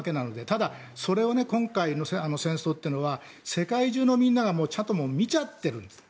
ただ、それを今回の戦争というのは世界中のみんなが見ちゃってるんです。